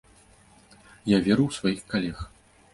Я веру ў сваіх калег.